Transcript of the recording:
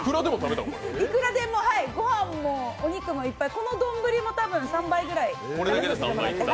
いくらでもごはんもお肉もいっぱいこの丼もたぶん３倍ぐらい食べさせてもらって。